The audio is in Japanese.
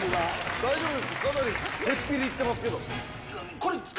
大丈夫ですか？